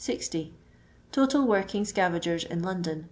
60 Total working scavagers in London